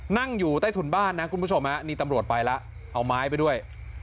นั่งอยู่ใต้ถุนบ้านนะคุณผู้ชมนี่ตำรวจไปแล้วเอาไม้ไปด้วย